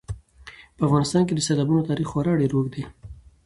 په افغانستان کې د سیلابونو تاریخ خورا ډېر اوږد دی.